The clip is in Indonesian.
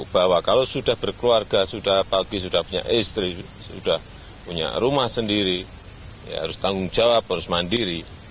bahwa kalau sudah berkeluarga sudah pagi sudah punya istri sudah punya rumah sendiri harus tanggung jawab harus mandiri